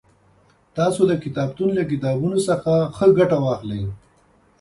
تاسو د کتابتون له کتابونو څخه ښه ګټه واخلئ